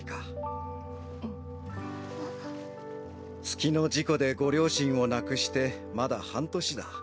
月の事故でご両親を亡くしてまだ半年だ。